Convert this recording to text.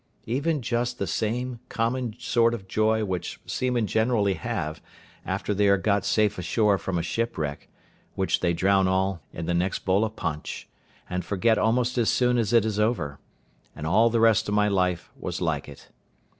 Even just the same common sort of joy which seamen generally have, after they are got safe ashore from a shipwreck, which they drown all in the next bowl of punch, and forget almost as soon as it is over; and all the rest of my life was like it.